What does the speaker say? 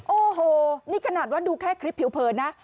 โอ้โหนี่ขนาดว่าดูแค่คลิปผิวเผินนะ